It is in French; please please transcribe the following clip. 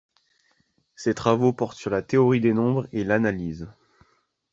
Ses travaux portent sur la théorie des nombres et l'analyse.